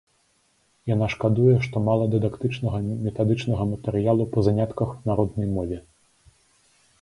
Яна шкадуе, што мала дыдактычнага, метадычнага матэрыялу па занятках на роднай мове.